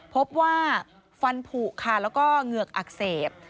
พบว่าฟันผูกค่ะแล้วก็เหงือกอักเสบ